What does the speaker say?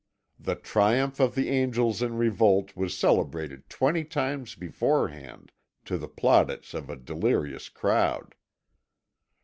The triumph of the angels in revolt was celebrated twenty times beforehand, to the plaudits of a delirious crowd.